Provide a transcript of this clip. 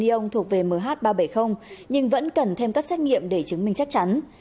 yong thuộc về mh ba trăm bảy mươi nhưng vẫn cần thêm các xét nghiệm để chứng minh chắc chắn